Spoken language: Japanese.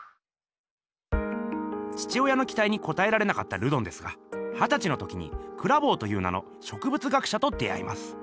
父親のきたいにこたえられなかったルドンですがはたちの時にクラヴォーという名の植物学者と出会います。